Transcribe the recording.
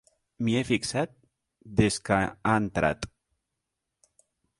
M'hi he fixat des que ha entrat.